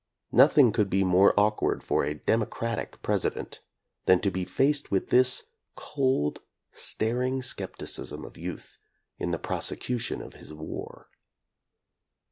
Nothing could be more awkward for a "democratic" President than to be faced with this cold, staring skepticism of youth, in the prosecution of his war.